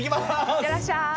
行ってらっしゃい！